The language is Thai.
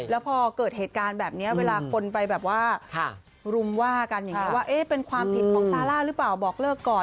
แล้วพอเกิดเหตุการณ์แบบนี้เวลาคนไปแบบว่ารุมว่ากันอย่างนี้ว่าเป็นความผิดของซาร่าหรือเปล่าบอกเลิกก่อน